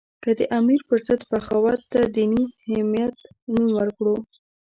که د امیر په ضد بغاوت ته دیني حمیت نوم ورکړو.